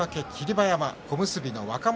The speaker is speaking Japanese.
馬山小結の若元